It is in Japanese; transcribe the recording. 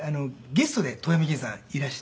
ゲストで『遠山の金さん』にいらして。